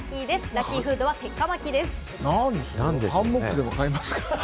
ハンモックでも買いますか？